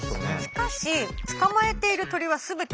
しかし捕まえている鳥は全て渡り鳥。